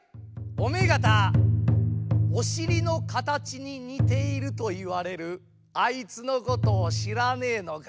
おめえがたおしりのかたちににているといわれるあいつのことをしらねえのかい？